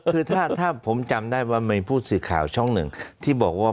คือถ้าผมจำได้ว่ามีผู้สื่อข่าวช่องหนึ่งที่บอกว่า